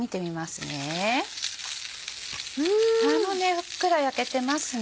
ふっくら焼けてますね。